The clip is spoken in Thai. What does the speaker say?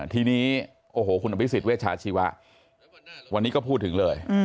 ทีนี้โอ้โหคุณอภิษฎเวชาชีวะวันนี้ก็พูดถึงเลย